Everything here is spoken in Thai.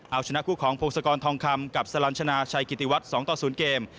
เอาชนะคู่ของพงศกรทองคำกับสลัญชนาชัยกิติวัตร๒ต่อ๐เกม